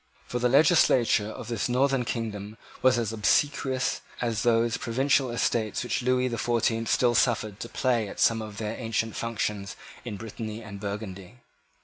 For the legislature of his northern kingdom was as obsequious as those provincial Estates which Lewis the Fourteenth still suffered to play at some of their ancient functions in Britanny and Burgundy.